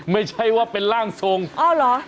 ไม่ใช่ว่าเป็นร่างทรงอ๋อเหรอ